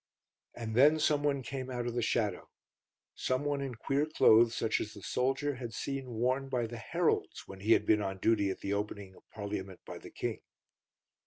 And then someone came out of the shadow, someone in queer clothes such as the soldier had seen worn by the heralds when he had been on duty at the opening of Parliament by the King.